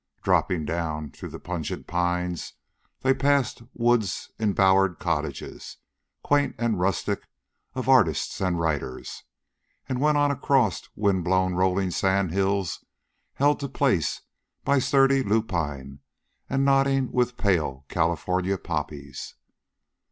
Dropping down through the pungent pines, they passed woods embowered cottages, quaint and rustic, of artists and writers, and went on across wind blown rolling sandhills held to place by sturdy lupine and nodding with pale California poppies.